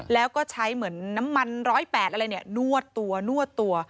แล้วก็ใช้เหมือนน้ำมัน๑๐๘อะไรเนี่ยนวดตัวนวดตัว